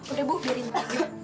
udah ibu biarin saja